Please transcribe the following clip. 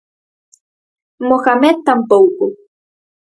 Mohamed tampouco.